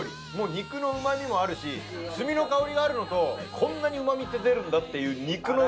肉のうま味もあるし炭の香りがあるのとこんなにうま味って出るんだっていう。